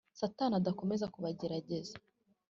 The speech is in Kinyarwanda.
Satani adakomeza kubagerageza